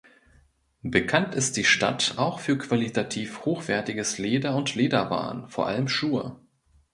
Bekannt ist die Stadt auch für qualitativ hochwertiges Leder und Lederwaren, vor allem Schuhe.